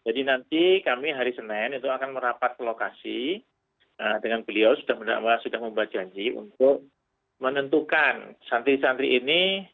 jadi nanti kami hari senin itu akan merapat ke lokasi dengan beliau sudah membuat janji untuk menentukan santri santri ini